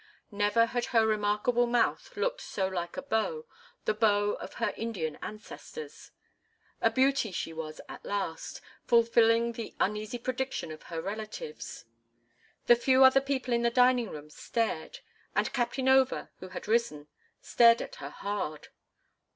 Never had her remarkable mouth looked so like a bow, the bow of her Indian ancestors. A beauty she was at last, fulfilling the uneasy prediction of her relatives. The few other people in the dining room stared, and Captain Over, who had risen, stared at her hard.